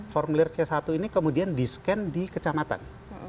formulir c satu ini kemudian di scan di kecamatan